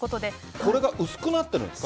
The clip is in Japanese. これが薄くなってるんですか？